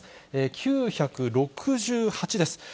９６８です。